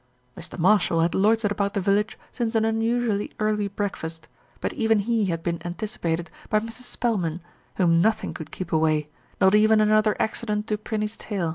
Mr. Marshall had loitered about the village since an unusually early breakfast; but even he had been an ticipated by Mrs. Spelman, whom nothing could keep away, not even another accident to Prinny's tail.